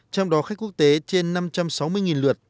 trong đó khách quốc tế trên năm trăm sáu mươi lượt